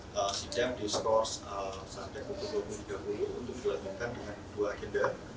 sistem discourse saat dua puluh tiga puluh untuk dilanjutkan dengan dua agenda